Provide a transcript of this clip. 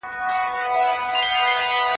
زه اجازه لرم چي انځورونه رسم کړم؟